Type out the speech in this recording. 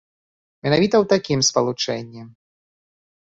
Менавіта ў такім спалучэнні.